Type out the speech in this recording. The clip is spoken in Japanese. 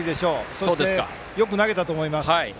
そして、よく投げたと思いますよ。